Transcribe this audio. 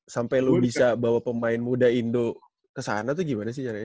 sampai lu bisa bawa pemain muda indo ke sana tuh gimana sih caranya